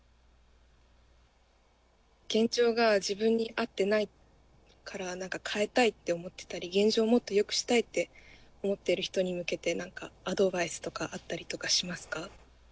現状が自分に合ってないから何か変えたいって思ってたり現状をもっとよくしたいって思ってる人に向けて何かアドバイスとかあったりとかしますか？